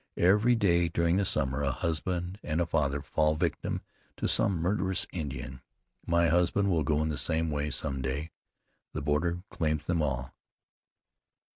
Every day during the summer a husband and a father fall victim to some murderous Indian. My husband will go in the same way some day. The border claims them all."